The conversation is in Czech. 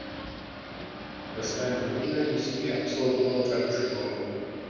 Ve svém rodné Moskvě absolvoval řadu škol.